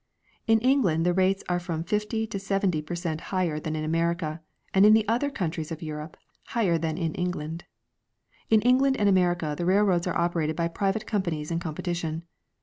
In England the rates are from fifty to seventy per cent higher than in America, and in the other countries of Europe higher than in England. In England and America the railroads are operated by private companies in competition.